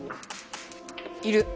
いる。